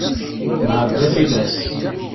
Nɛedda tilas.